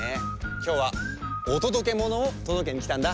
きょうはおとどけものをとどけにきたんだ。